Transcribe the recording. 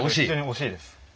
惜しいです。